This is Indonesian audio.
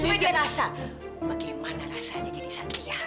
supaya dia rasa bagaimana rasanya jadi satria